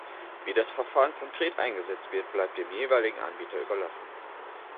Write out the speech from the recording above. Wie das Verfahren konkret eingesetzt wird, bleibt dem jeweiligen Anbieter überlassen.